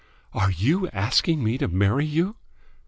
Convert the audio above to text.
"Are you asking me to marry you?"